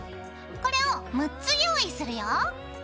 これを６つ用意するよ。